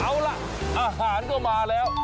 เอาล่ะอาหารก็มาแล้ว